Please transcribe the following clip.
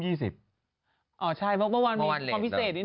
ใช่เพราะเมื่อวานมีความพิเศษด้วยนะ